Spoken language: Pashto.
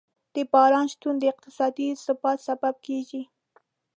د باور شتون د اقتصادي ثبات سبب کېږي.